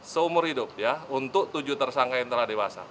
seumur hidup ya untuk tujuh tersangka yang telah dewasa